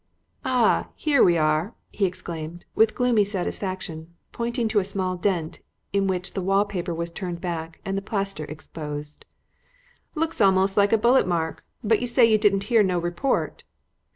"Ah! here we are!" he exclaimed, with gloomy satisfaction, pointing to a small dent in which the wall paper was turned back and the plaster exposed; "looks almost like a bullet mark, but you say you didn't hear no report."